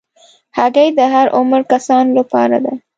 هګۍ د هر عمر کسانو لپاره ده.